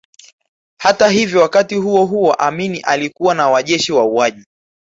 Hata hivyo wakati huo huo Amin alikuwa na wajeshi wauaji